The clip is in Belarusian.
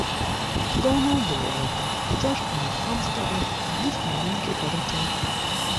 Даўно было гэта, і цяжка мазгам старым радзіць малюнкі пары той.